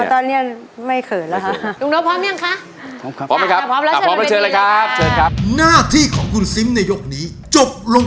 สุขคุณกฤน